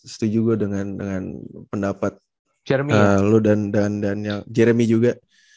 setuju gue dengan pendapat lo dan jeremy juga